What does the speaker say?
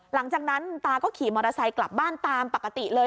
หลังจากนั้นตาก็ขี่มอเตอร์ไซค์กลับบ้านตามปกติเลย